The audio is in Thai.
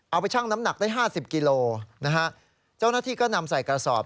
ไปชั่งน้ำหนักได้ห้าสิบกิโลนะฮะเจ้าหน้าที่ก็นำใส่กระสอบ